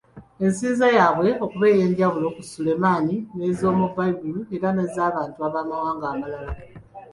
Ensinza yaabwe okuba ey’enjawulo ku Sulemani ez’omu Bbayibuli era n’ez’Abantu b’’amawanga amalala.